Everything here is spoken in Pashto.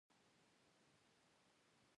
ایا ستاسو محکمه به رڼه وي؟